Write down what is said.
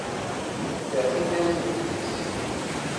É assim mesmo, ele disse.